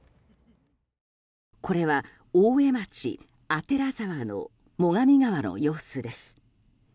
これは、大江町左沢の最上川の様子です。